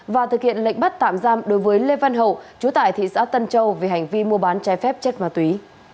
và thực hiện lệnh bắt tạm giam đối với lê văn hậu chú tại thị xã tân châu về hành vi mua bán trái phép chất ma túy